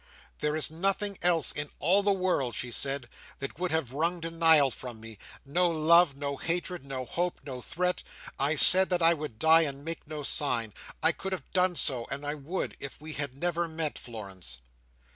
"There is nothing else in all the world," she said, "that would have wrung denial from me. No love, no hatred, no hope, no threat. I said that I would die, and make no sign. I could have done so, and I would, if we had never met, Florence."